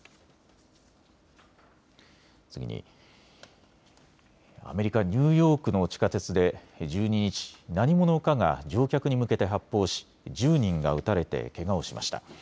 次に、アメリカ・ニューヨークの地下鉄で１２日、何者かが乗客に向けて発砲し、１０人が撃たれてけがをしました。